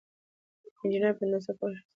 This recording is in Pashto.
انجينر په هندسه پوه شخصيت وي.